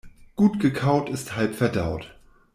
Gut gekaut ist halb verdaut.